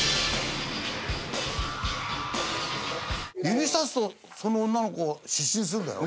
指さすとその女の子失神するんだよ。